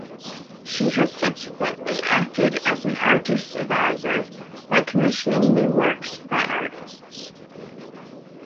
She has subsequently acted as an artist advisor in commissioning new works by artists.